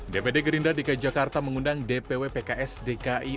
dpd gerindra dki jakarta mengundang dpw pks dki